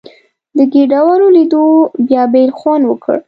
د ګېډړو لیدو بیا بېل خوند وکړ.